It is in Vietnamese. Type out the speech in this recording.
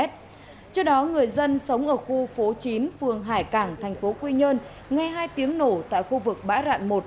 trước đó người dân sống ở khu phố chín phường hải cảng thành phố quy nhơn ngay hai tiếng nổ tại khu vực bãi rạn một